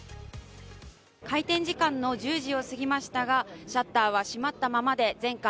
開店時間の１０時を過ぎましたがシャッターは閉まったままで全館